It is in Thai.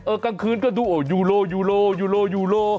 กลางคืนก็ดูโอ้ยูโรยูโรยูโรยูโล